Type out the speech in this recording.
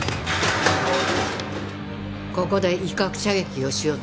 ここで威嚇射撃をしようとしました。